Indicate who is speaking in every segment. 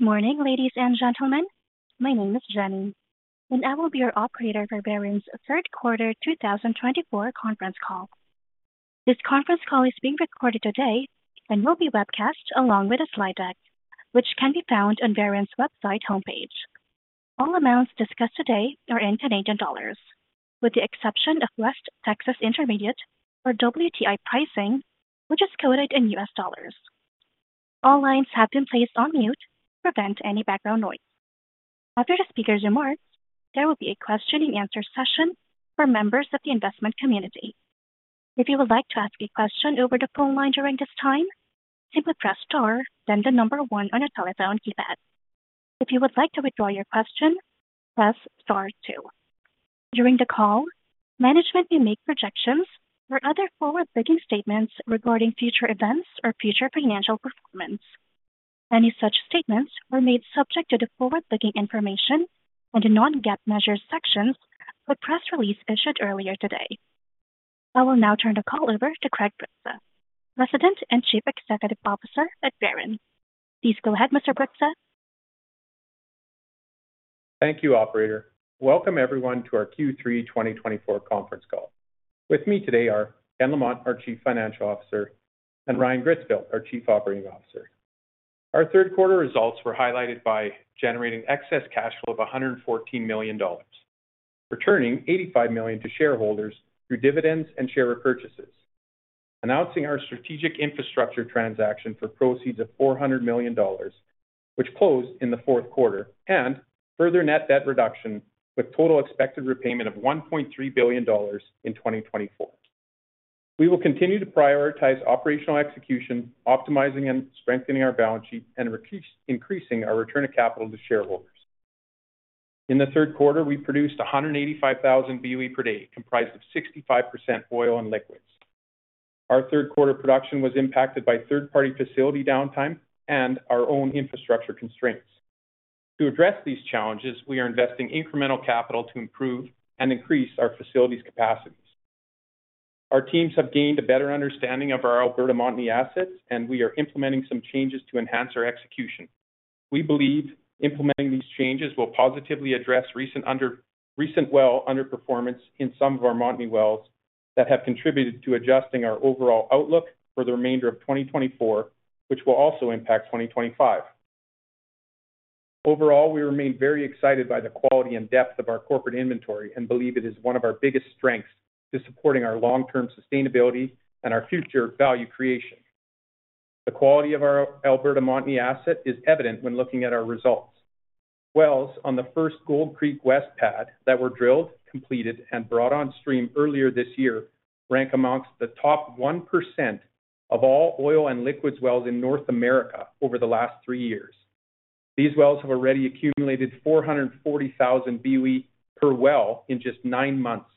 Speaker 1: Good morning, ladies and gentlemen. My name is Jenny, and I will be your operator for Veren's third quarter 2024 conference call. This conference call is being recorded today and will be webcast along with a slide deck, which can be found on Veren's website homepage. All amounts discussed today are in Canadian dollars, with the exception of West Texas Intermediate or WTI pricing, which is quoted in US dollars. All lines have been placed on mute to prevent any background noise. After the speaker's remarks, there will be a question-and-answer session for members of the investment community. If you would like to ask a question over the phone line during this time, simply press star, then the number one on your telephone keypad. If you would like to withdraw your question, press star two. During the call, management may make projections or other forward-looking statements regarding future events or future financial performance. Any such statements are made subject to the forward-looking information and non-GAAP measures sections of the press release issued earlier today. I will now turn the call over to Craig Bryksa, President and Chief Executive Officer at Veren. Please go ahead, Mr. Bryksa.
Speaker 2: Thank you, Operator. Welcome everyone to our Q3 2024 conference call. With me today are Ken Lamont, our Chief Financial Officer, and Ryan Gritzfeldt, our Chief Operating Officer. Our third quarter results were highlighted by generating excess cash flow of $114 million, returning $85 million to shareholders through dividends and share repurchases, announcing our strategic infrastructure transaction for proceeds of $400 million, which closed in the fourth quarter, and further net debt reduction with total expected repayment of $1.3 billion in 2024. We will continue to prioritize operational execution, optimizing and strengthening our balance sheet, and increasing our return of capital to shareholders. In the third quarter, we produced 185,000 BOE per day, comprised of 65% oil and liquids. Our third quarter production was impacted by third-party facility downtime and our own infrastructure constraints. To address these challenges, we are investing incremental capital to improve and increase our facilities' capacities. Our teams have gained a better understanding of our Alberta Montney assets, and we are implementing some changes to enhance our execution. We believe implementing these changes will positively address recent well underperformance in some of our Montney wells that have contributed to adjusting our overall outlook for the remainder of 2024, which will also impact 2025. Overall, we remain very excited by the quality and depth of our corporate inventory and believe it is one of our biggest strengths to supporting our long-term sustainability and our future value creation. The quality of our Alberta Montney asset is evident when looking at our results. Wells on the first Gold Creek West pad that were drilled, completed, and brought on stream earlier this year rank amongst the top 1% of all oil and liquids wells in North America over the last three years. These wells have already accumulated 440,000 BOE per well in just nine months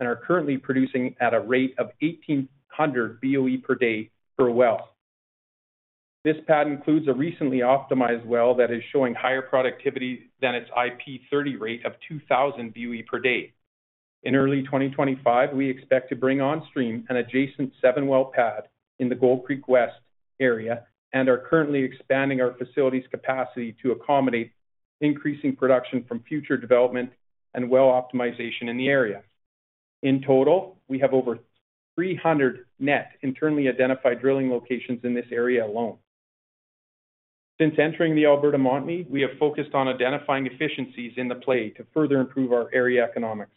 Speaker 2: and are currently producing at a rate of 1,800 BOE per day per well. This pad includes a recently optimized well that is showing higher productivity than its IP30 rate of 2,000 BOE per day. In early 2025, we expect to bring on stream an adjacent seven well pad in the Gold Creek West area and are currently expanding our facility's capacity to accommodate increasing production from future development and well optimization in the area. In total, we have over 300 net internally identified drilling locations in this area alone. Since entering the Alberta Montney, we have focused on identifying efficiencies in the play to further improve our area economics.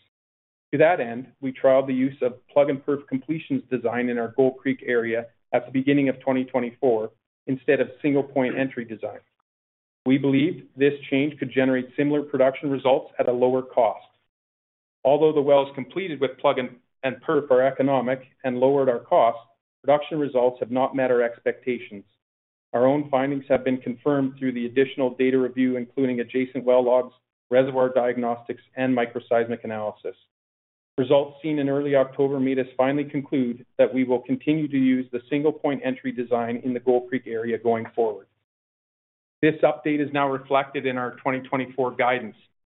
Speaker 2: To that end, we trialed the use of plug-and-perf completions design in our Gold Creek area at the beginning of 2024 instead of single-point entry design. We believed this change could generate similar production results at a lower cost. Although the wells completed with plug-and-perf are economic and lowered our costs, production results have not met our expectations. Our own findings have been confirmed through the additional data review, including adjacent well logs, reservoir diagnostics, and microseismic analysis. Results seen in early October made us finally conclude that we will continue to use the single-point entry design in the Gold Creek area going forward. This update is now reflected in our 2024 guidance,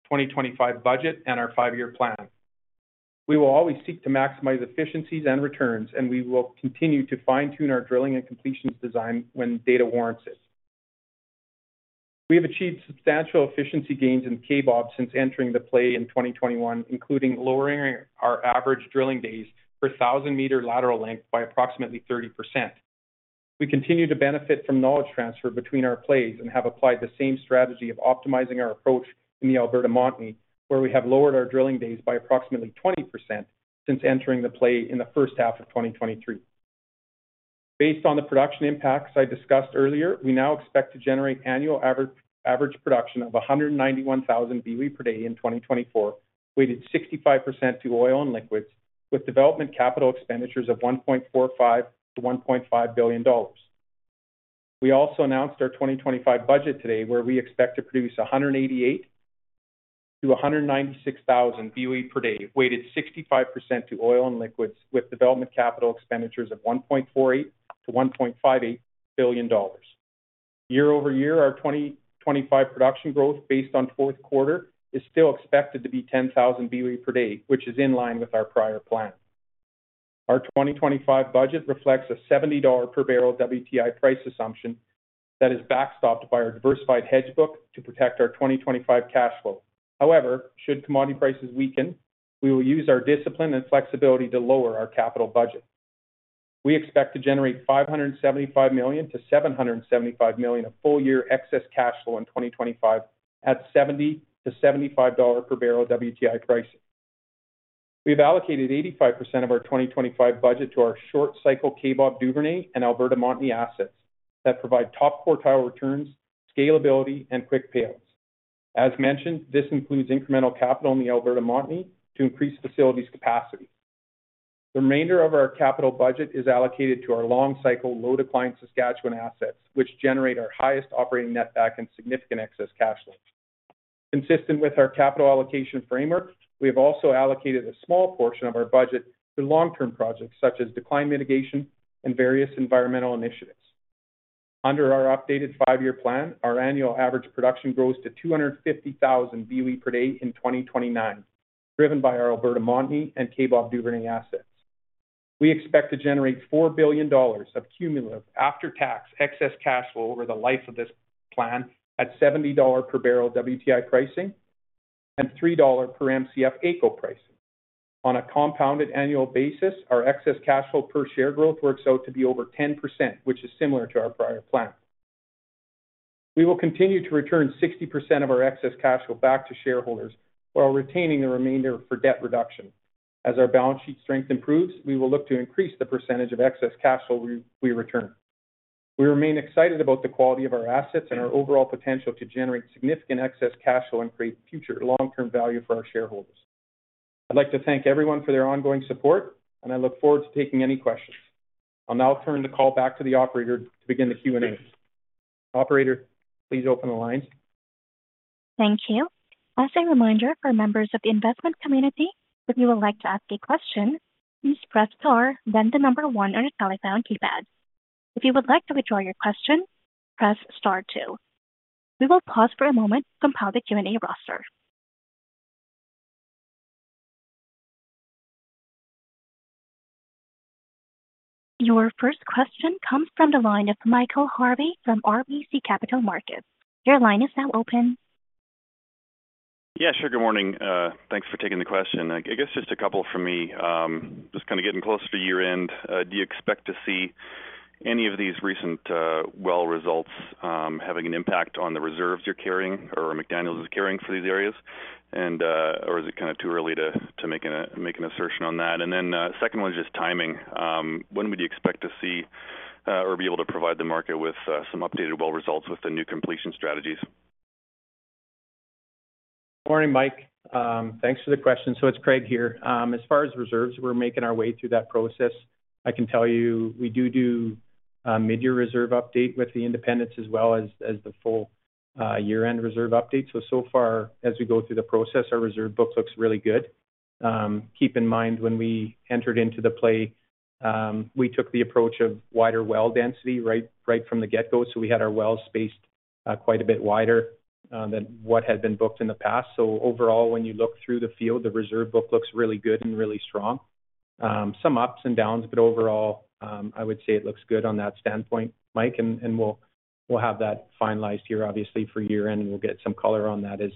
Speaker 2: 2025 budget, and our five-year plan. We will always seek to maximize efficiencies and returns, and we will continue to fine-tune our drilling and completions design when data warrants it. We have achieved substantial efficiency gains in Kaybob since entering the play in 2021, including lowering our average drilling days per 1,000-meter lateral length by approximately 30%. We continue to benefit from knowledge transfer between our plays and have applied the same strategy of optimizing our approach in the Alberta Montney, where we have lowered our drilling days by approximately 20% since entering the play in the first half of 2023. Based on the production impacts I discussed earlier, we now expect to generate annual average production of 191,000 BOE per day in 2024, weighted 65% to oil and liquids, with development capital expenditures of $1.45-$1.5 billion. We also announced our 2025 budget today, where we expect to produce 188,000-196,000 BOE per day, weighted 65% to oil and liquids, with development capital expenditures of $1.48-$1.58 billion. Year-over-year, our 2025 production growth based on fourth quarter is still expected to be 10,000 BOE per day, which is in line with our prior plan. Our 2025 budget reflects a $70 per barrel WTI price assumption that is backstopped by our diversified hedge book to protect our 2025 cash flow. However, should commodity prices weaken, we will use our discipline and flexibility to lower our capital budget. We expect to generate $575 million-$775 million of full-year excess cash flow in 2025 at $70-$75 per barrel WTI pricing. We have allocated 85% of our 2025 budget to our short-cycle Kaybob Duvernay and Alberta Montney assets that provide top quartile returns, scalability, and quick payouts. As mentioned, this includes incremental capital in the Alberta Montney to increase facilities' capacity. The remainder of our capital budget is allocated to our long-cycle, low-decline Saskatchewan assets, which generate our highest operating netback and significant excess cash flow. Consistent with our capital allocation framework, we have also allocated a small portion of our budget to long-term projects such as decline mitigation and various environmental initiatives. Under our updated five-year plan, our annual average production grows to 250,000 BOE per day in 2029, driven by our Alberta Montney and Kaybob Duvernay assets. We expect to generate $4 billion of cumulative after-tax excess cash flow over the life of this plan at $70 per barrel WTI pricing and $3 per MCF AECO pricing. On a compounded annual basis, our excess cash flow per share growth works out to be over 10%, which is similar to our prior plan. We will continue to return 60% of our excess cash flow back to shareholders while retaining the remainder for debt reduction. As our balance sheet strength improves, we will look to increase the percentage of excess cash flow we return. We remain excited about the quality of our assets and our overall potential to generate significant excess cash flow and create future long-term value for our shareholders. I'd like to thank everyone for their ongoing support, and I look forward to taking any questions. I'll now turn the call back to the Operator to begin the Q&A. Operator, please open the lines.
Speaker 1: Thank you. As a reminder for members of the investment community, if you would like to ask a question, please press star, then the number one on your telephone keypad. If you would like to withdraw your question, press star two. We will pause for a moment to compile the Q&A roster. Your first question comes from the line of Michael Harvey from RBC Capital Markets. Your line is now open.
Speaker 3: Yeah, sure. Good morning. Thanks for taking the question. I guess just a couple from me. Just kind of getting closer to year-end. Do you expect to see any of these recent well results having an impact on the reserves you're carrying or McDaniel is carrying for these areas? Or is it kind of too early to make an assertion on that? And then second one is just timing. When would you expect to see or be able to provide the market with some updated well results with the new completion strategies?
Speaker 2: Good morning, Mike. Thanks for the question. So it's Craig here. As far as reserves, we're making our way through that process. I can tell you we do mid-year reserve update with the independents as well as the full year-end reserve update. So far, as we go through the process, our reserve book looks really good. Keep in mind when we entered into the play, we took the approach of wider well density right from the get-go. So we had our wells spaced quite a bit wider than what had been booked in the past. So overall, when you look through the field, the reserve book looks really good and really strong. Some ups and downs, but overall, I would say it looks good on that standpoint, Mike. And we'll have that finalized here, obviously, for year-end, and we'll get some color on that as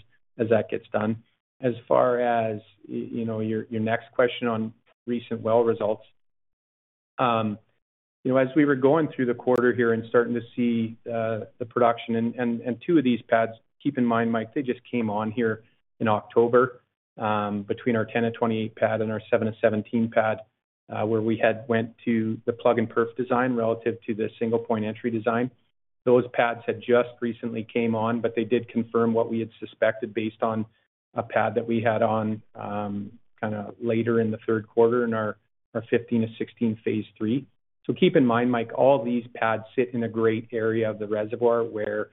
Speaker 2: that gets done. As far as your next question on recent well results, as we were going through the quarter here and starting to see the production and two of these pads, keep in mind, Mike, they just came on here in October between our 10-28 pad and our 7-17 pad, where we had went to the plug-and-perf design relative to the single-point entry design. Those pads had just recently come on, but they did confirm what we had suspected based on a pad that we had on kind of later in the third quarter in our 15-16 phase three. So keep in mind, Mike, all these pads sit in a great area of the reservoir where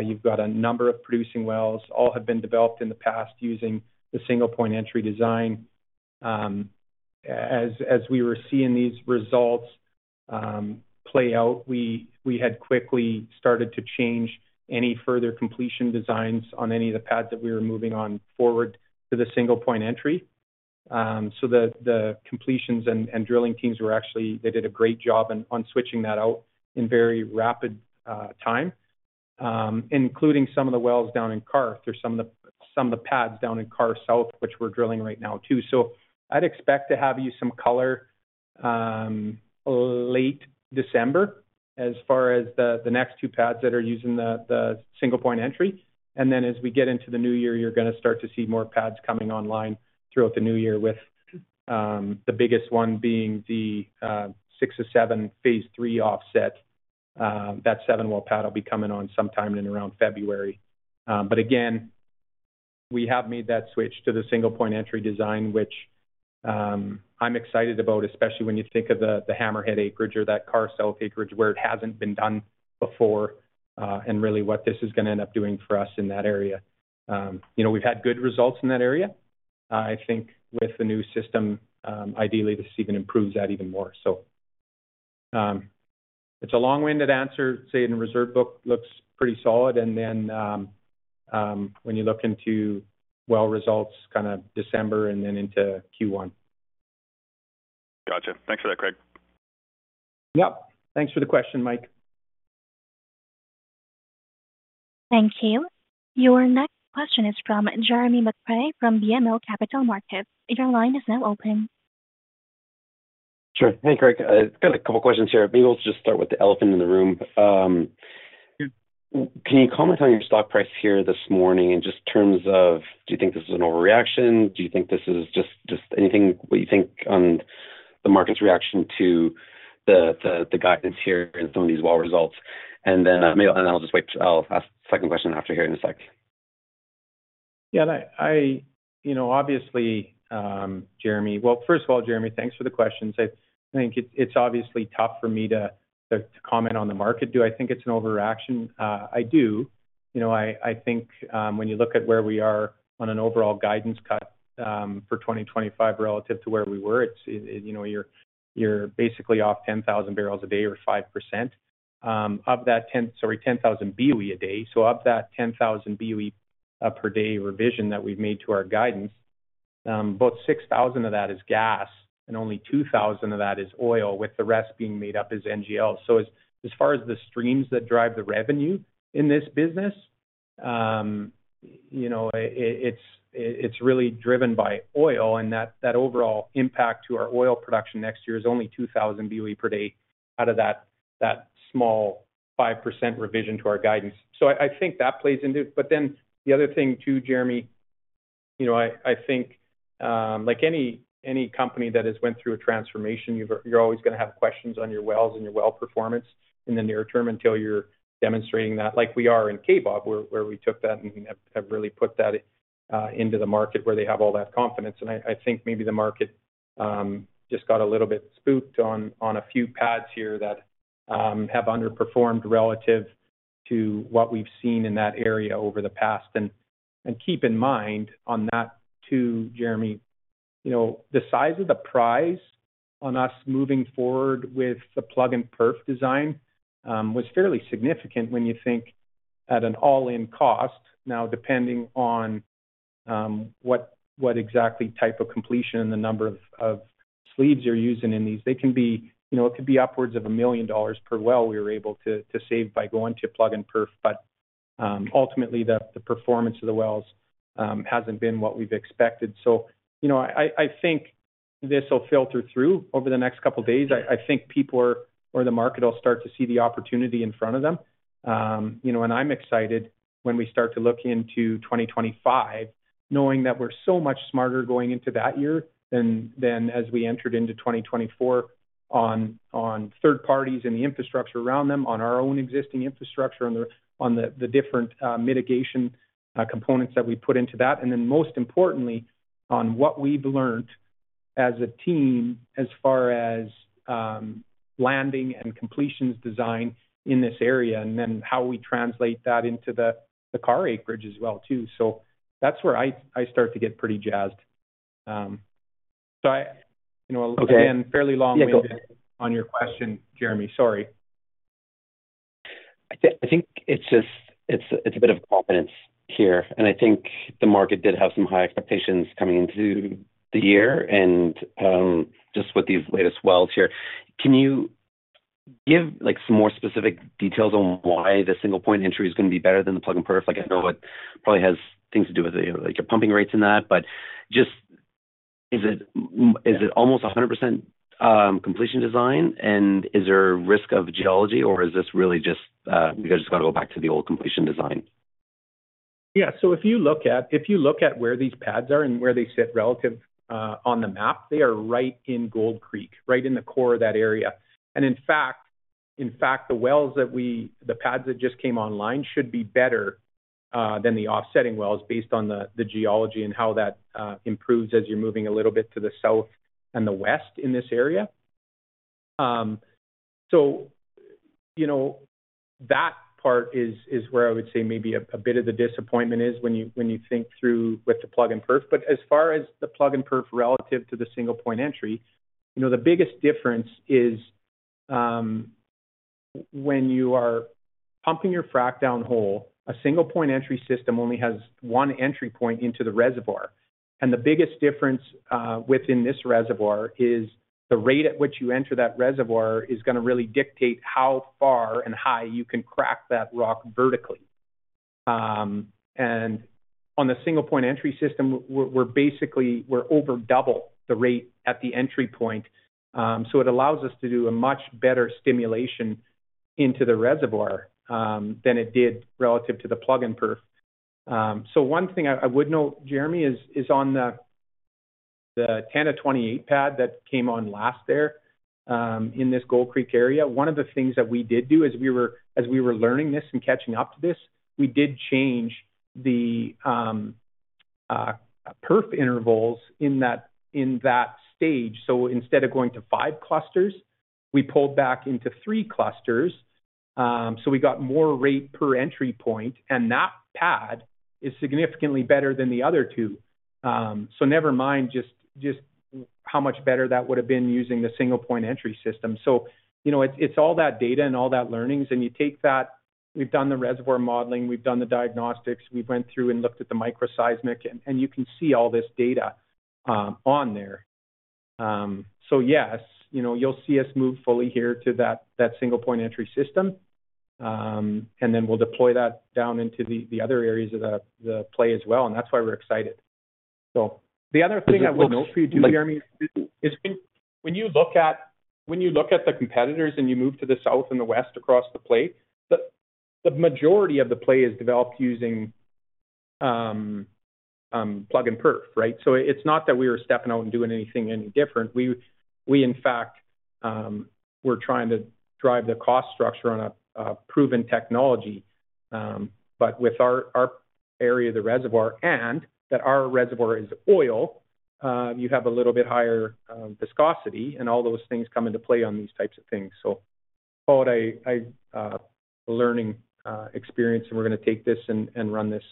Speaker 2: you've got a number of producing wells. All have been developed in the past using the single-point entry design. As we were seeing these results play out, we had quickly started to change any further completion designs on any of the pads that we were moving on forward to the single-point entry. So the completions and drilling teams were actually they did a great job on switching that out in very rapid time, including some of the wells down in Karr or some of the pads down in Karr South, which we're drilling right now too. So I'd expect to have you some color late December as far as the next two pads that are using the single-point entry. And then as we get into the new year, you're going to start to see more pads coming online throughout the new year, with the biggest one being the six to seven phase three offset. That seven well pad will be coming on sometime in around February. But again, we have made that switch to the single-point entry design, which I'm excited about, especially when you think of the Hammerhead acreage or that Karr South acreage where it hasn't been done before and really what this is going to end up doing for us in that area. We've had good results in that area. I think with the new system, ideally, this even improves that even more. So it's a long-winded answer. Say the reserve book looks pretty solid. And then when you look into well results kind of December and then into Q1.
Speaker 3: Gotcha. Thanks for that, Craig.
Speaker 2: Yep. Thanks for the question, Mike.
Speaker 1: Thank you. Your next question is from Jeremy McCrea from BMO Capital Markets. Your line is now open.
Speaker 4: Sure. Hey, Craig. I've got a couple of questions here. Maybe we'll just start with the elephant in the room. Can you comment on your stock price here this morning in just terms of, do you think this is an overreaction? Do you think this is just anything? What you think on the market's reaction to the guidance here and some of these well results? And then I'll just wait. I'll ask the second question after here in a sec.
Speaker 2: Yeah. Obviously, Jeremy, well, first of all, Jeremy, thanks for the questions. I think it's obviously tough for me to comment on the market. Do I think it's an overreaction? I do. I think when you look at where we are on an overall guidance cut for 2025 relative to where we were, you're basically off 10,000 barrels a day or 5% of that 10, sorry, 10,000 BOE a day. So of that 10,000 BOE per day revision that we've made to our guidance, about 6,000 of that is gas and only 2,000 of that is oil, with the rest being made up as NGL. So as far as the streams that drive the revenue in this business, it's really driven by oil. And that overall impact to our oil production next year is only 2,000 BOE per day out of that small 5% revision to our guidance. I think that plays into it. But then the other thing too, Jeremy, I think like any company that has went through a transformation, you're always going to have questions on your wells and your well performance in the near term until you're demonstrating that, like we are in Kaybob, where we took that and have really put that into the market where they have all that confidence. And I think maybe the market just got a little bit spooked on a few pads here that have underperformed relative to what we've seen in that area over the past. And keep in mind on that too, Jeremy, the size of the prize on us moving forward with the plug-and-perf design was fairly significant when you think at an all-in cost. Now, depending on what exact type of completion and the number of sleeves you're using in these, they can be upwards of 1 million dollars per well we were able to save by going to plug-and-perf. But ultimately, the performance of the wells hasn't been what we've expected. So I think this will filter through over the next couple of days. I think people or the market will start to see the opportunity in front of them. And I'm excited when we start to look into 2025, knowing that we're so much smarter going into that year than as we entered into 2024 on third parties and the infrastructure around them, on our own existing infrastructure, on the different mitigation components that we put into that. And then most importantly, on what we've learned as a team as far as landing and completions design in this area and then how we translate that into the Karr acreage as well too. So that's where I start to get pretty jazzed. So again, fairly long-winded on your question, Jeremy. Sorry.
Speaker 4: I think it's a bit of confidence here, and I think the market did have some high expectations coming into the year and just with these latest wells here. Can you give some more specific details on why the single-point entry is going to be better than the plug-and-perf? I know it probably has things to do with your pumping rates and that, but just, is it almost 100% completion design? And is there a risk of geology, or is this really just we've got to go back to the old completion design?
Speaker 2: Yeah. So if you look at where these pads are and where they sit relative on the map, they are right in Gold Creek, right in the core of that area. In fact, the pads that just came online should be better than the offsetting wells based on the geology and how that improves as you're moving a little bit to the south and the west in this area. That part is where I would say maybe a bit of the disappointment is when you think through with the plug-and-perf. As far as the plug-and-perf relative to the single-point entry, the biggest difference is when you are pumping your frac down hole, a single-point entry system only has one entry point into the reservoir. The biggest difference within this reservoir is the rate at which you enter that reservoir is going to really dictate how far and high you can crack that rock vertically. On the single-point entry system, we're over double the rate at the entry point. It allows us to do a much better stimulation into the reservoir than it did relative to the plug-and-perf. One thing I would note, Jeremy, is on the 10-28 pad that came on last there in this Gold Creek area. One of the things that we did do as we were learning this and catching up to this, we did change the perf intervals in that stage. Instead of going to five clusters, we pulled back into three clusters. We got more rate per entry point. That pad is significantly better than the other two. Never mind just how much better that would have been using the single-point entry system. It's all that data and all that learnings. And you take that, we've done the reservoir modeling, we've done the diagnostics, we went through and looked at the microseismic, and you can see all this data on there. Yes, you'll see us move fully here to that single-point entry system. And then we'll deploy that down into the other areas of the play as well. And that's why we're excited. The other thing I would note for you too, Jeremy, is when you look at the competitors and you move to the south and the west across the play, the majority of the play is developed using plug-and-perf, right? It's not that we were stepping out and doing anything any different. We, in fact, were trying to drive the cost structure on a proven technology. But with our area of the reservoir and that our reservoir is oil, you have a little bit higher viscosity, and all those things come into play on these types of things. So I call it a learning experience, and we're going to take this and run this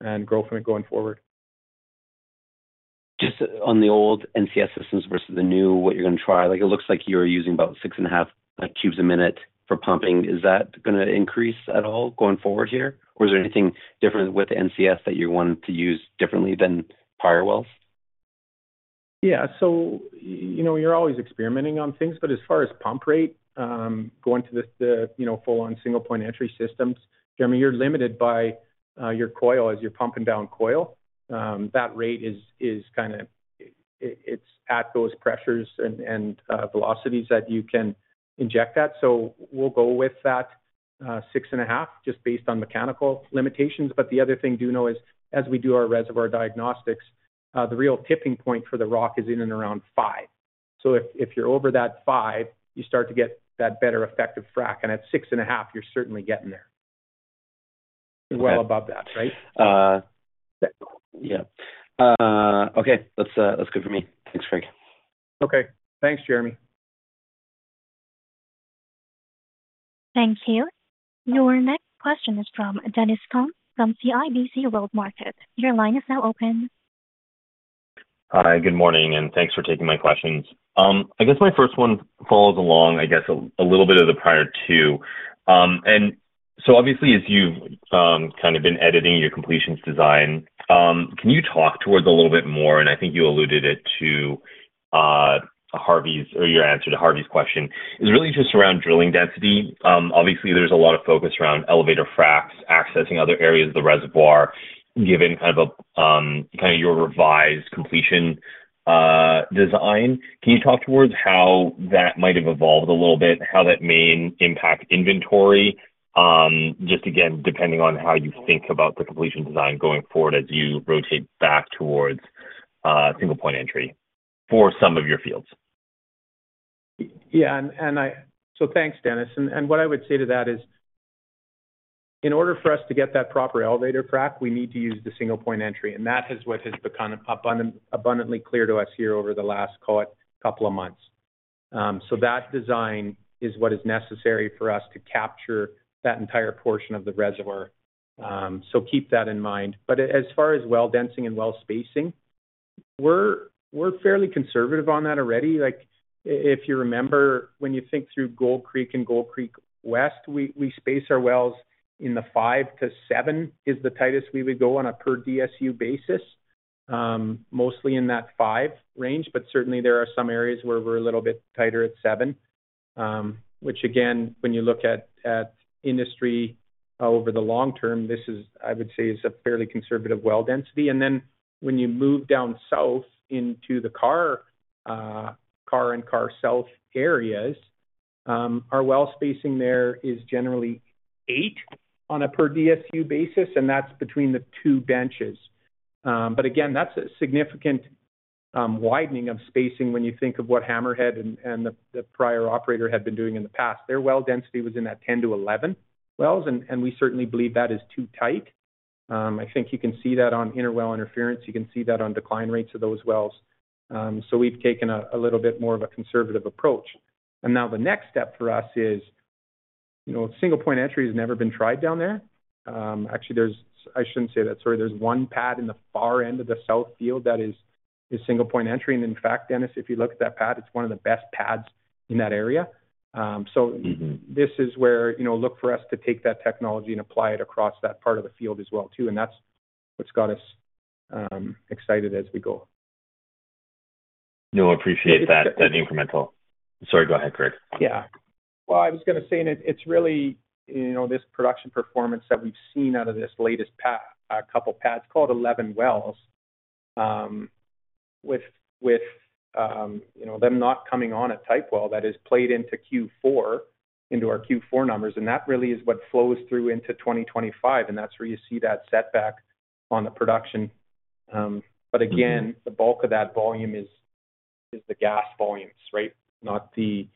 Speaker 2: and grow from it going forward.
Speaker 4: Just on the old NCS systems versus the new, what you're going to try, it looks like you're using about six and a half cubes a minute for pumping. Is that going to increase at all going forward here? Or is there anything different with NCS that you're wanting to use differently than prior wells?
Speaker 2: Yeah. So you're always experimenting on things. But as far as pump rate, going to the full-on single-point entry systems, Jeremy, you're limited by your coil as you're pumping down coil. That rate is kind of it's at those pressures and velocities that you can inject at. So we'll go with that six and a half just based on mechanical limitations. But the other thing to know is as we do our reservoir diagnostics, the real tipping point for the rock is in and around five. So if you're over that five, you start to get that better effective frac. And at six and a half, you're certainly getting there. Well above that, right?
Speaker 4: Yeah. Okay. That's good for me. Thanks, Craig.
Speaker 2: Okay. Thanks, Jeremy.
Speaker 1: Thank you. Your next question is from Dennis Fong from CIBC World Markets. Your line is now open.
Speaker 5: Hi. Good morning. And thanks for taking my questions. I guess my first one follows along, I guess, a little bit of the prior two. And so obviously, as you've kind of been editing your completions design, can you talk towards a little bit more? And I think you alluded to it. Harvey's or your answer to Harvey's question is really just around drilling density. Obviously, there's a lot of focus around elevator fracs, accessing other areas of the reservoir given kind of your revised completion design. Can you talk towards how that might have evolved a little bit, how that may impact inventory, just again, depending on how you think about the completion design going forward as you rotate back towards single-point entry for some of your fields?
Speaker 2: Yeah. So thanks, Dennis. And what I would say to that is in order for us to get that proper elevator frac, we need to use the single-point entry. And that is what has become abundantly clear to us here over the last, call it, couple of months. So that design is what is necessary for us to capture that entire portion of the reservoir. So keep that in mind. But as far as well densifying and well spacing, we're fairly conservative on that already. If you remember, when you think through Gold Creek and Gold Creek West, we space our wells in the five to seven is the tightest we would go on a per DSU basis, mostly in that five range. But certainly, there are some areas where we're a little bit tighter at seven, which again, when you look at industry over the long term, this is, I would say, a fairly conservative well density. And then when you move down south into the Karr and Karr South areas, our well spacing there is generally eight on a per DSU basis, and that's between the two benches. But again, that's a significant widening of spacing when you think of what Hammerhead and the prior operator had been doing in the past. Their well density was in that 10-11 wells, and we certainly believe that is too tight. I think you can see that on interwell interference. You can see that on decline rates of those wells. So we've taken a little bit more of a conservative approach. And now the next step for us is single-point entry has never been tried down there. Actually, I shouldn't say that. Sorry. There's one pad in the far end of the south field that is single-point entry. And in fact, Dennis, if you look at that pad, it's one of the best pads in that area. So this is where look for us to take that technology and apply it across that part of the field as well too. And that's what's got us excited as we go.
Speaker 5: No, appreciate that incremental. Sorry. Go ahead, Craig.
Speaker 2: Yeah. Well, I was going to say it's really this production performance that we've seen out of this latest couple of pads. Call it 11 wells with them not coming on a type well that is played into Q4, into our Q4 numbers. And that really is what flows through into 2025. And that's where you see that setback on the production. But again, the bulk of that volume is the gas volumes, right? Not the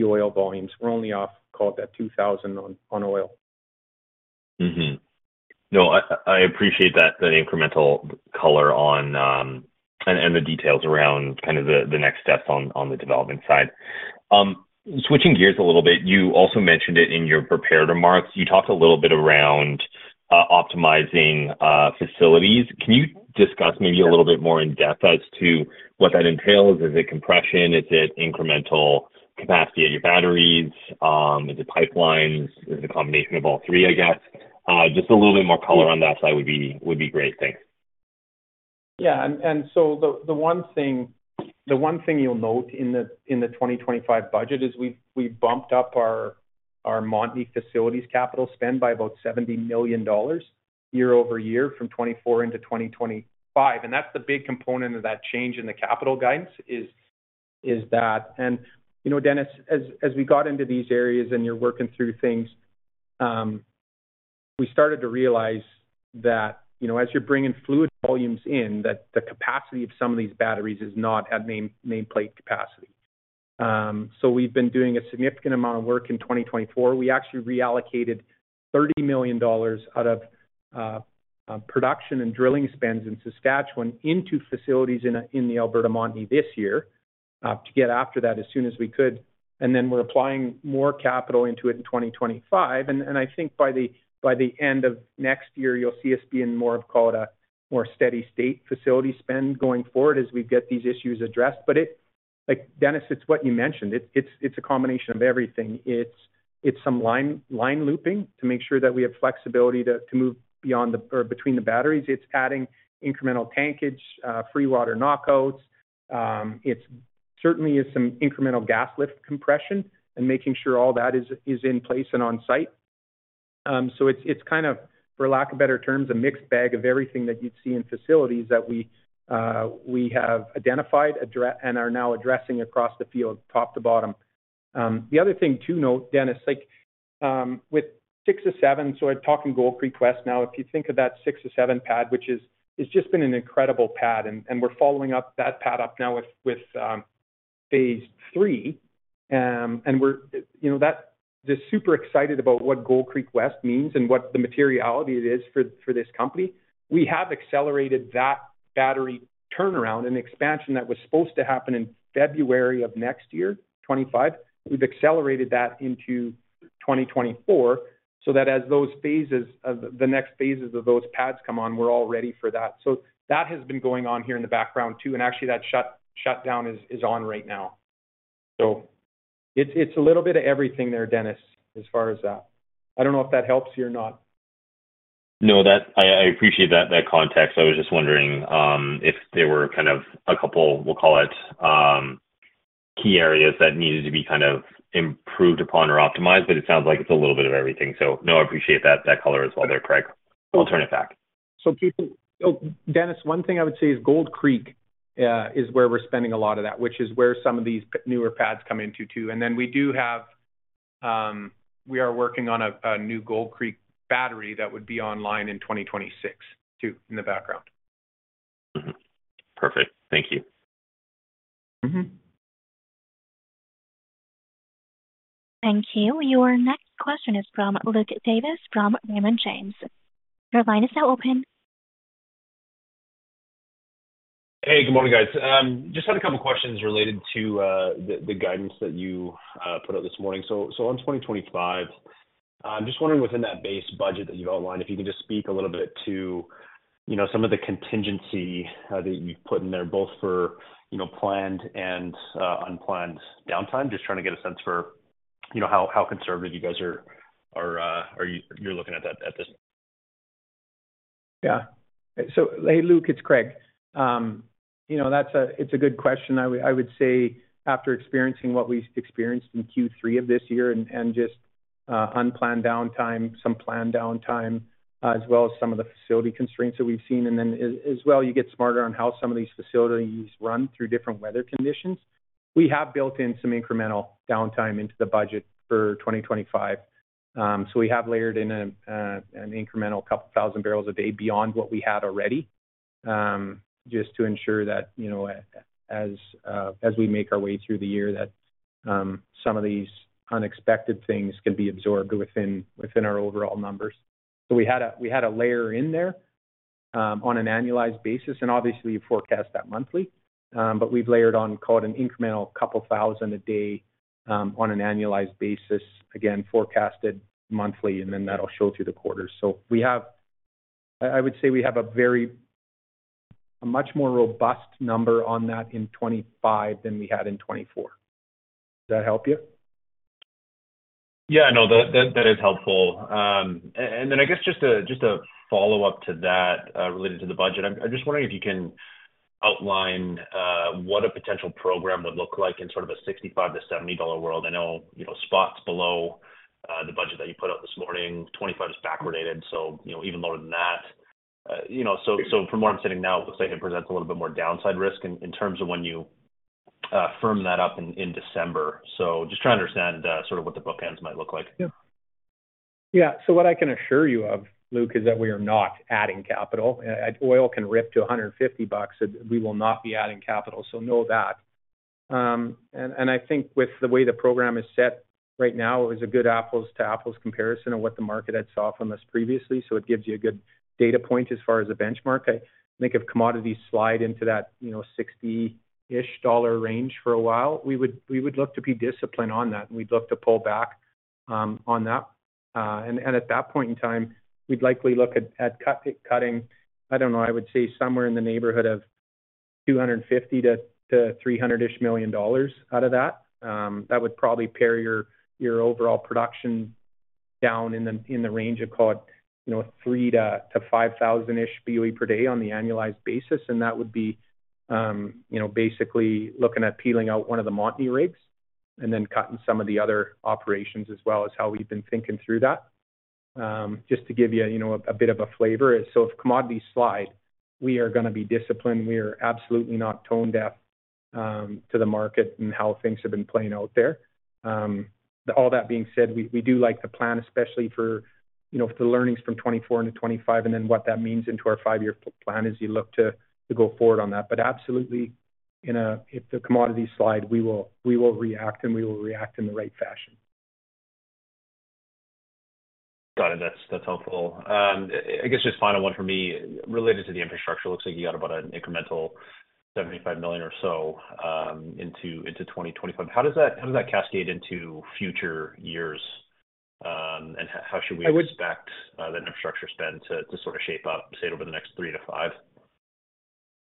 Speaker 2: oil volumes. We're only off, call it that, 2,000 on oil.
Speaker 5: No, I appreciate that incremental color and the details around kind of the next steps on the development side. Switching gears a little bit, you also mentioned it in your prepared remarks. You talked a little bit around optimizing facilities. Can you discuss maybe a little bit more in depth as to what that entails? Is it compression? Is it incremental capacity of your batteries? Is it pipelines? Is it a combination of all three, I guess? Just a little bit more color on that side would be great. Thanks.
Speaker 2: Yeah. And so the one thing you'll note in the 2025 budget is we bumped up our Montney facilities capital spend by about 70 million dollars year-over-year from 2024 into 2025. And that's the big component of that change in the capital guidance is that. And Dennis, as we got into these areas and you're working through things, we started to realize that as you're bringing fluid volumes in, that the capacity of some of these batteries is not at nameplate capacity. So we've been doing a significant amount of work in 2024. We actually reallocated 30 million dollars out of production and drilling spends in Saskatchewan into facilities in the Alberta Montney this year to get after that as soon as we could. And then we're applying more capital into it in 2025. I think by the end of next year, you'll see us being more of, call it a more steady-state facility spend going forward as we get these issues addressed. But Dennis, it's what you mentioned. It's a combination of everything. It's some line looping to make sure that we have flexibility to move beyond or between the batteries. It's adding incremental tankage, free water knockouts. It certainly is some incremental gas lift compression and making sure all that is in place and on site. It's kind of, for lack of better terms, a mixed bag of everything that you'd see in facilities that we have identified and are now addressing across the field top to bottom. The other thing to note, Dennis, with six to seven, so talking Gold Creek West now, if you think of that six to seven pad, which has just been an incredible pad, and we're following up that pad up now with phase three, and we're just super excited about what Gold Creek West means and what the materiality it is for this company. We have accelerated that battery turnaround and expansion that was supposed to happen in February of next year, 2025. We've accelerated that into 2024 so that as those phases, the next phases of those pads come on, we're all ready for that. So that has been going on here in the background too, and actually, that shutdown is on right now, so it's a little bit of everything there, Dennis, as far as that. I don't know if that helps you or not.
Speaker 5: No, I appreciate that context. I was just wondering if there were kind of a couple, we'll call it, key areas that needed to be kind of improved upon or optimized. But it sounds like it's a little bit of everything. So no, I appreciate that color as well there, Craig. I'll turn it back.
Speaker 2: Dennis, one thing I would say is Gold Creek is where we're spending a lot of that, which is where some of these newer pads come into, too. Then we are working on a new Gold Creek battery that would be online in 2026, too, in the background.
Speaker 5: Perfect. Thank you.
Speaker 1: Thank you. Your next question is from Luke Davis from Raymond James. Your line is now open.
Speaker 6: Hey, good morning, guys. Just had a couple of questions related to the guidance that you put out this morning. So on 2025, I'm just wondering within that base budget that you've outlined, if you can just speak a little bit to some of the contingency that you've put in there, both for planned and unplanned downtime, just trying to get a sense for how conservative you guys are looking at that at this point.
Speaker 2: Yeah. So hey, Luke, it's Craig. That's a good question. I would say after experiencing what we experienced in Q3 of this year and just unplanned downtime, some planned downtime, as well as some of the facility constraints that we've seen, and then as well you get smarter on how some of these facilities run through different weather conditions, we have built in some incremental downtime into the budget for 2025. So we have layered in an incremental couple thousand barrels a day beyond what we had already just to ensure that as we make our way through the year, that some of these unexpected things can be absorbed within our overall numbers. So we had a layer in there on an annualized basis. And obviously, you forecast that monthly. But we've layered on, call it an incremental couple thousand a day on an annualized basis, again, forecasted monthly, and then that'll show through the quarters. So I would say we have a much more robust number on that in 2025 than we had in 2024. Does that help you?
Speaker 6: Yeah. No, that is helpful. And then I guess just a follow-up to that related to the budget. I'm just wondering if you can outline what a potential program would look like in sort of a $65-$70 world. I know spots below the budget that you put out this morning. 2025 is backwardated, so even lower than that. So from where I'm sitting now, it looks like it presents a little bit more downside risk in terms of when you firm that up in December. So just trying to understand sort of what the bookends might look like.
Speaker 2: Yeah. So what I can assure you of, Luke, is that we are not adding capital. Oil can rip to $150, and we will not be adding capital. So know that. And I think with the way the program is set right now, it was a good apples-to-apples comparison of what the market had saw from us previously. So it gives you a good data point as far as a benchmark. I think if commodities slide into that $60-ish range for a while, we would look to be disciplined on that, and we'd look to pull back on that. And at that point in time, we'd likely look at cutting, I don't know, I would say somewhere in the neighborhood of $250-$300 million out of that. That would probably pare your overall production down in the range of, call it, 3-5,000-ish BOE per day on the annualized basis, and that would be basically looking at peeling out one of the Montney rigs and then cutting some of the other operations as well as how we've been thinking through that. Just to give you a bit of a flavor, so if commodities slide, we are going to be disciplined. We are absolutely not tone-deaf to the market and how things have been playing out there. All that being said, we do like the plan, especially for the learnings from 2024 into 2025 and then what that means into our five-year plan as you look to go forward on that, but absolutely, if the commodities slide, we will react, and we will react in the right fashion.
Speaker 6: Got it. That's helpful. I guess just final one for me related to the infrastructure. Looks like you got about an incremental 75 million or so into 2025. How does that cascade into future years, and how should we expect that infrastructure spend to sort of shape up, say, over the next three to five?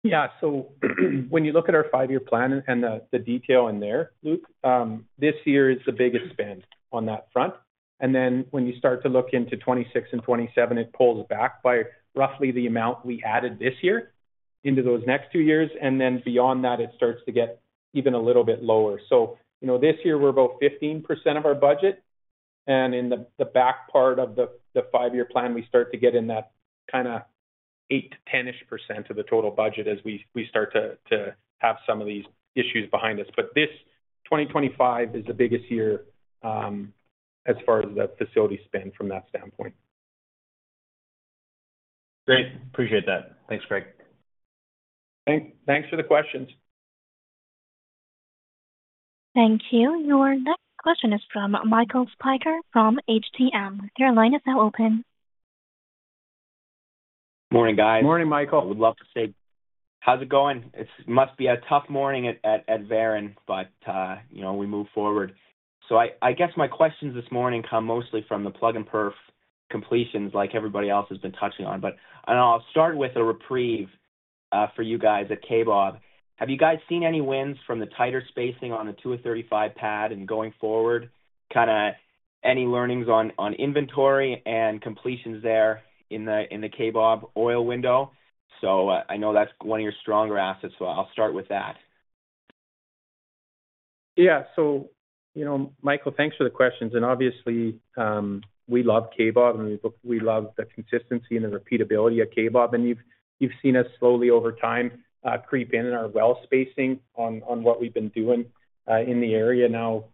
Speaker 2: Yeah. So when you look at our five-year plan and the detail in there, Luke, this year is the biggest spend on that front. And then when you start to look into 2026 and 2027, it pulls back by roughly the amount we added this year into those next two years. And then beyond that, it starts to get even a little bit lower. So this year, we're about 15% of our budget. And in the back part of the five-year plan, we start to get in that kind of 8 to 10-ish% of the total budget as we start to have some of these issues behind us. But this 2025 is the biggest year as far as the facility spend from that standpoint.
Speaker 6: Great. Appreciate that. Thanks, Craig.
Speaker 2: Thanks for the questions.
Speaker 1: Thank you. Your next question is from Michael Spiker from HTM. Your line is now open. Morning, guys.
Speaker 2: Morning, Michael. I would love to say, how's it going? It must be a tough morning at Veren, but we move forward. So I guess my questions this morning come mostly from the plug-and-perf completions like everybody else has been touching on. But I'll start with a reprieve for you guys at Kaybob. Have you guys seen any wins from the tighter spacing on the 235 pad and going forward? Kind of any learnings on inventory and completions there in the Kaybob oil window? So I know that's one of your stronger assets, so I'll start with that. Yeah. So Michael, thanks for the questions. And obviously, we love Kaybob, and we love the consistency and the repeatability of Kaybob. And you've seen us slowly over time creep in our well spacing on what we've been doing in the area. Now,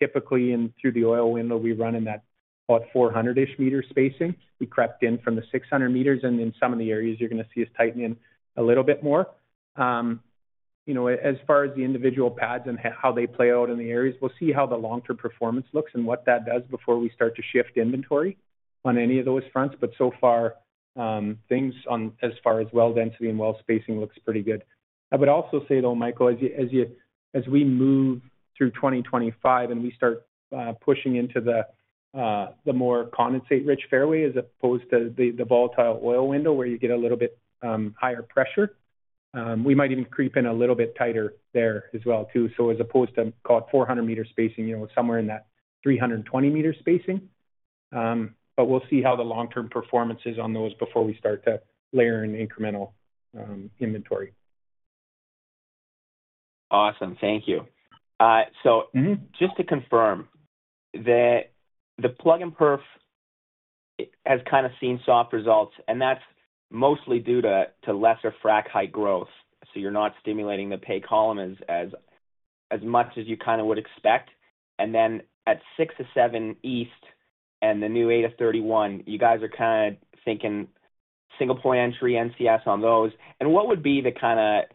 Speaker 2: typically through the oil window, we run in that about 400-ish meter spacing. We crept in from the 600 meters, and in some of the areas, you're going to see us tighten in a little bit more. As far as the individual pads and how they play out in the areas, we'll see how the long-term performance looks and what that does before we start to shift inventory on any of those fronts. But so far, things as far as well density and well spacing looks pretty good. I would also say, though, Michael, as we move through 2025 and we start pushing into the more condensate-rich fairway as opposed to the volatile oil window where you get a little bit higher pressure, we might even creep in a little bit tighter there as well too. So as opposed to, call it, 400-meter spacing, somewhere in that 320-meter spacing. But we'll see how the long-term performance is on those before we start to layer in incremental inventory. Awesome. Thank you. So just to confirm that the plug-and-perf has kind of seen soft results, and that's mostly due to lesser frac height growth. So you're not stimulating the pay column as much as you kind of would expect. And then at 6-7 East and the new 8-31, you guys are kind of thinking single-point entry NCS on those. And what would be the kind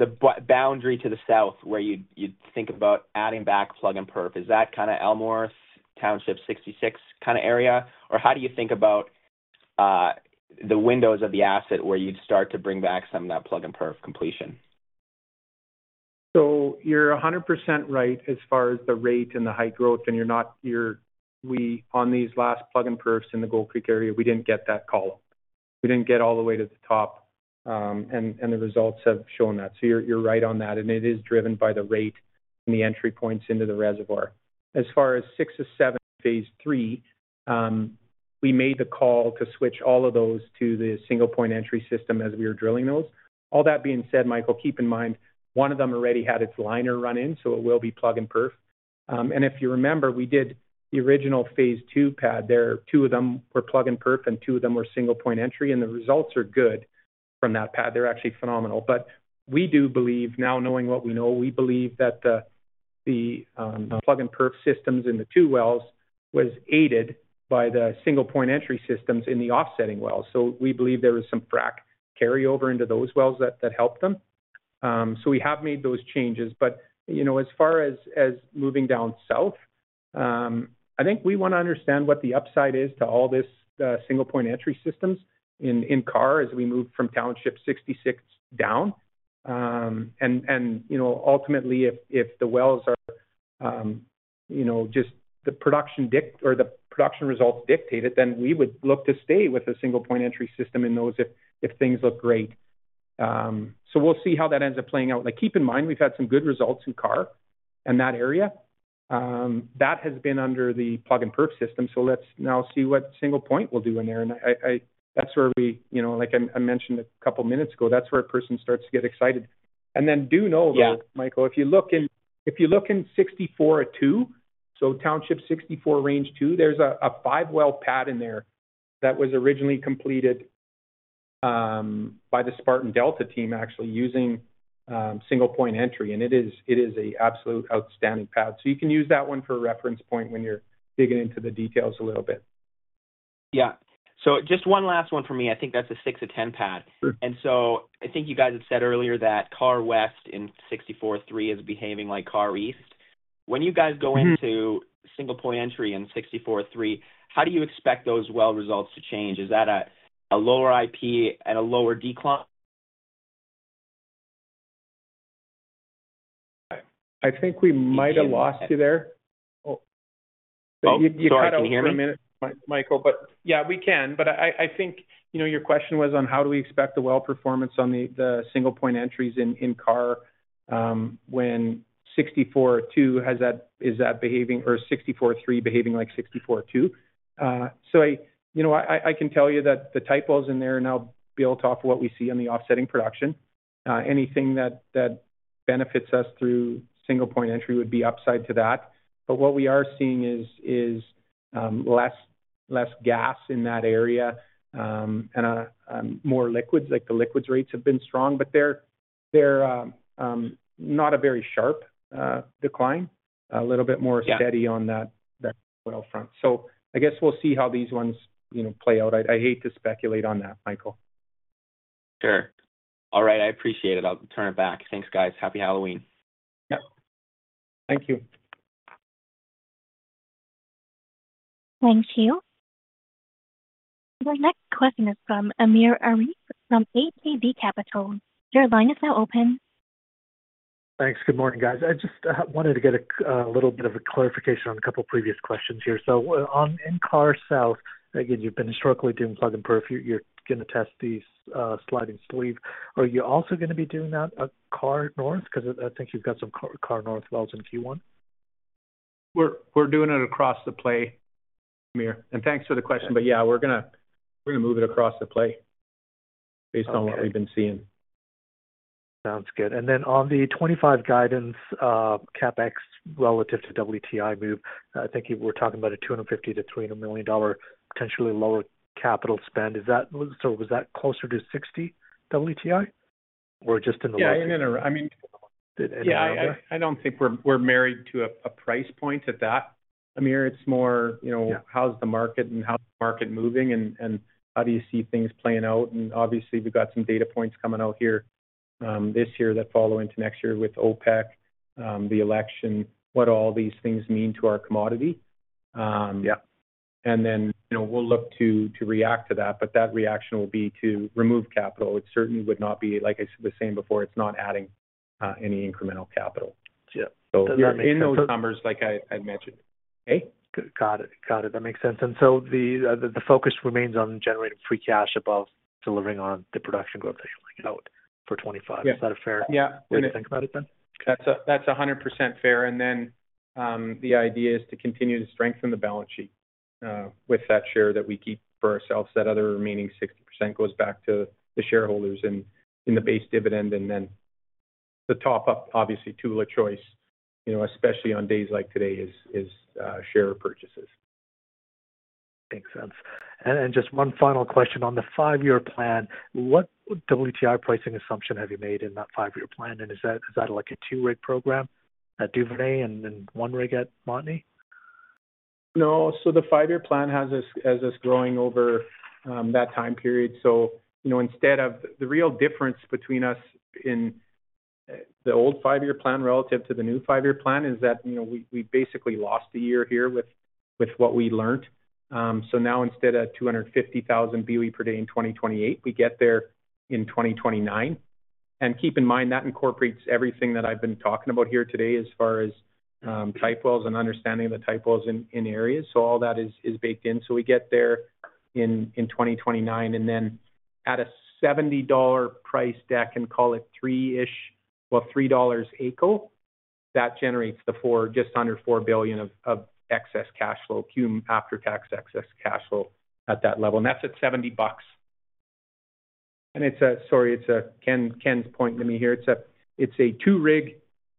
Speaker 2: of boundary to the south where you'd think about adding back plug-and-perf? Is that kind of Elmworth, Township 66 kind of area? Or how do you think about the windows of the asset where you'd start to bring back some of that plug-and-perf completion? So you're 100% right as far as the rate and the height growth, and on these last plug-and-perfs in the Gold Creek area, we didn't get that column. We didn't get all the way to the top, and the results have shown that. So you're right on that, and it is driven by the rate and the entry points into the reservoir. As far as 6-7 phase three, we made the call to switch all of those to the single-point entry system as we were drilling those. All that being said, Michael, keep in mind, one of them already had its liner run in, so it will be plug-and-perf. And if you remember, we did the original phase two pad there. Two of them were plug-and-perf, and two of them were single-point entry. And the results are good from that pad. They're actually phenomenal. But we do believe, now knowing what we know, we believe that the plug-and-perf systems in the two wells were aided by the single-point entry systems in the offsetting wells. So we believe there was some frac carryover into those wells that helped them. So we have made those changes. But as far as moving down south, I think we want to understand what the upside is to all these single-point entry systems in Karr as we move from Township 66 down. And ultimately, if the wells are just the production result dictated, then we would look to stay with a single-point entry system in those if things look great. So we'll see how that ends up playing out. Keep in mind, we've had some good results in Karr in that area. That has been under the plug-and-perf system. So let's now see what single point we'll do in there. And that's where we, like I mentioned a couple of minutes ago, that's where a person starts to get excited. And then you know, Michael, if you look in 64-2, so Township 64, Range 2, there's a five well pad in there that was originally completed by the Spartan Delta team actually using single-point entry. And it is an absolutely outstanding pad. So you can use that one for a reference point when you're digging into the details a little bit. Yeah, so just one last one for me. I think that's a 6 to 10 pad, and so I think you guys had said earlier that Karr West in 64-3 is behaving like Karr East. When you guys go into single-point entry in 64-3, how do you expect those well results to change? Is that a lower IP and a lower decline? I think we might have lost you there. Sorry. Can you hear me, Michael? But yeah, we can. But I think your question was on how do we expect the well performance on the single-point entries in Karr when 64-2 is that behaving or 64-3 behaving like 64-2? So I can tell you that the type curves in there are now built off of what we see on the offsetting production. Anything that benefits us through single-point entry would be upside to that. But what we are seeing is less gas in that area and more liquids. The liquids rates have been strong, but they're not a very sharp decline, a little bit more steady on that well front. So I guess we'll see how these ones play out. I hate to speculate on that, Michael. Sure. All right. I appreciate it. I'll turn it back. Thanks, guys. Happy Halloween. Yep. Thank you.
Speaker 1: Thank you. Our next question is from Amir Arif from ATB Capital Markets. Your line is now open.
Speaker 7: Thanks. Good morning, guys. I just wanted to get a little bit of a clarification on a couple of previous questions here. So in Karr South, again, you've been historically doing plug-and-perf. You're going to test these sliding sleeves. Are you also going to be doing that Karr North? Because I think you've got some Karr North wells in Q1.
Speaker 2: We're doing it across the play, Amir, and thanks for the question, but yeah, we're going to move it across the play based on what we've been seeing.
Speaker 7: Sounds good. And then on the 25 guidance, CapEx relative to WTI move, I think we're talking about a 250-300 million dollar potentially lower capital spend. So was that closer to $60 WTI or just in the low end?
Speaker 2: Yeah. I mean, I don't think we're married to a price point at that, Amir. It's more how's the market and how's the market moving and how do you see things playing out. And obviously, we've got some data points coming out here this year that follow into next year with OPEC, the election, what all these things mean to our commodity. And then we'll look to react to that, but that reaction will be to remove capital. It certainly would not be, like I said the same before, it's not adding any incremental capital. So in those numbers, like I mentioned. Hey.
Speaker 7: Got it. Got it. That makes sense. And so the focus remains on generating free cash above delivering on the production growth that you're laying out for 2025. Is that a fair way to think about it then?
Speaker 2: That's 100% fair. And then the idea is to continue to strengthen the balance sheet with that share that we keep for ourselves. That other remaining 60% goes back to the shareholders in the base dividend. And then the top-up, obviously, tool of choice, especially on days like today, is share purchases.
Speaker 7: Makes sense. And just one final question. On the five-year plan, what WTI pricing assumption have you made in that five-year plan? And is that like a two-rig program at Duvernay and then one rig at Montney?
Speaker 2: No, so the five-year plan has us growing over that time period, so instead of the real difference between us in the old five-year plan relative to the new five-year plan is that we basically lost a year here with what we learned, so now instead of 250,000 BOE per day in 2028, we get there in 2029, and keep in mind that incorporates everything that I've been talking about here today as far as types and understanding the types in areas, so all that is baked in, so we get there in 2029, and then at a $70 price deck and call it three-ish, well, $3 AECO, that generates just under 4 billion of excess cash flow, after-tax excess cash flow at that level, and that's at 70 bucks, and sorry, it's Ken's pointing to me here, it's a two-rig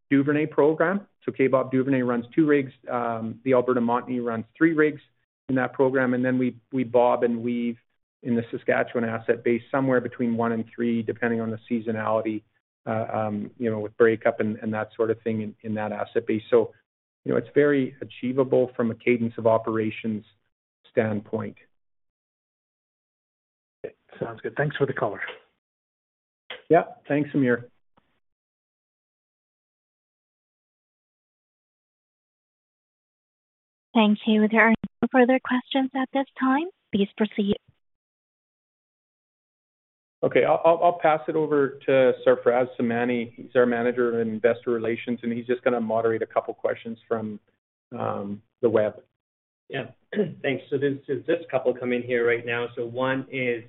Speaker 2: Duvernay program, so Kaybob Duvernay runs two rigs. The Alberta Montney runs three rigs in that program, and then we bob and weave in the Saskatchewan asset base somewhere between one and three, depending on the seasonality with breakup and that sort of thing in that asset base, so it's very achievable from a cadence of operations standpoint.
Speaker 7: Sounds good. Thanks for the color.
Speaker 2: Yeah. Thanks, Amir.
Speaker 1: Thank you. There are no further questions at this time. Please proceed.
Speaker 2: Okay. I'll pass it over to Sarfraz Somani. He's our Manager of Investor Relations, and he's just going to moderate a couple of questions from the web.
Speaker 8: Yeah. Thanks. So there's this couple coming here right now. So one is,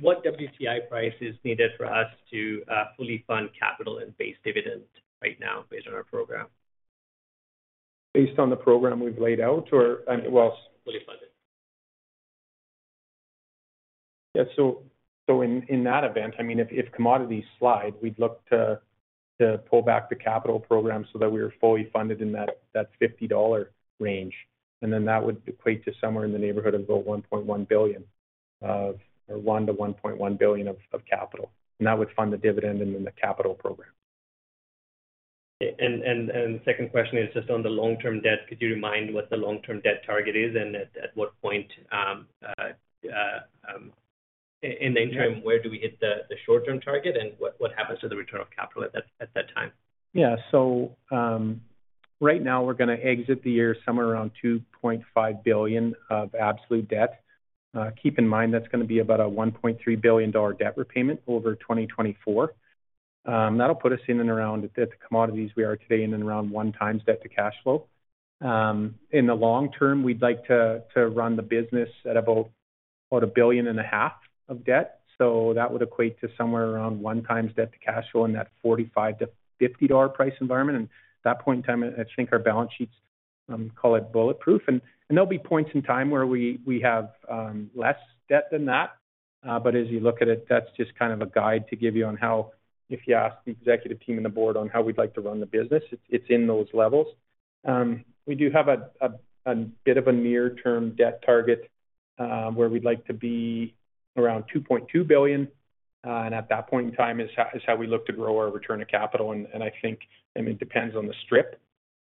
Speaker 8: what WTI price is needed for us to fully fund capital and base dividend right now based on our program?
Speaker 2: Based on the program we've laid out or, well,
Speaker 8: Fully funded?
Speaker 2: Yeah. So in that event, I mean, if commodities slide, we'd look to pull back the capital program so that we were fully funded in that $50 range. And then that would equate to somewhere in the neighborhood of about 1.1 billion or 1-1.1 billion of capital. And that would fund the dividend and then the capital program. And the second question is just on the long-term debt. Could you remind what the long-term debt target is and at what point in the interim, where do we hit the short-term target and what happens to the return of capital at that time? Yeah. So right now, we're going to exit the year somewhere around $2.5 billion of absolute debt. Keep in mind that's going to be about a $1.3 billion debt repayment over 2024. That'll put us in and around, at the commodities we are today, in and around one times debt to cash flow. In the long term, we'd like to run the business at about a $1.5 billion of debt. So that would equate to somewhere around one times debt to cash flow in that $45-$50 price environment. And at that point in time, I think our balance sheets, call it bulletproof. And there'll be points in time where we have less debt than that. But as you look at it, that's just kind of a guide to give you on how, if you ask the executive team and the board on how we'd like to run the business, it's in those levels. We do have a bit of a near-term debt target where we'd like to be around 2.2 billion. And at that point in time is how we look to grow our return of capital. And I think, I mean, it depends on the strip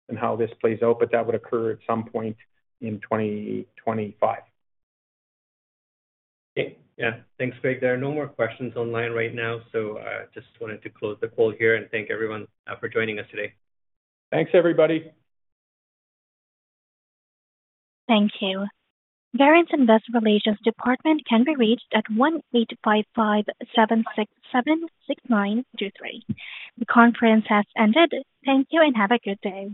Speaker 2: and how this plays out, but that would occur at some point in 2025.
Speaker 8: Okay. Yeah. Thanks, Craig. There are no more questions online right now. So I just wanted to close the call here and thank everyone for joining us today.
Speaker 2: Thanks, everybody.
Speaker 1: Thank you. Veren's Investor Relations department can be reached at 1-855-767-6923. The conference has ended. Thank you and have a good day.